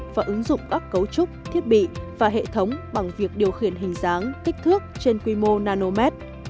và ứng dụng các cấu trúc thiết bị và hệ thống bằng việc điều khiển hình dáng kích thước trên quy mô nanomet